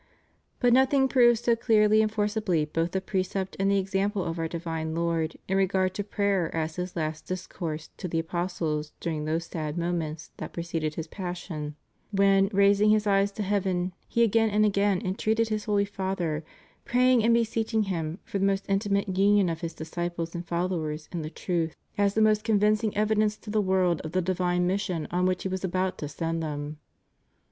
But nothing proves so clearly and forcibly both the precept and the example of our divine Lord in regard to prayer as His List dis course to the apostles during those sad moments that preceded His passion, when, raising His eyes to heaven, He again and again entreated His Holy Father, prayiDg and beseeching Him for the most intimate union of His disciples and folloM ^ers in the truth, as the most convinc ' John xvi. 23, 24. » John vi. 44. « Heb. v. 7. * Luke xL 13. * Luke vi. 12. • In ev. S, Joann. xvii. 344 TO THE ENGLISH PEOPLE. ing evidence to the world of the divine mission on which He was about to send them.